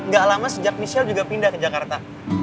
gak lama sejak michelle juga pindah ke jakarta